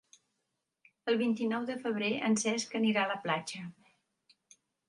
El vint-i-nou de febrer en Cesc anirà a la platja.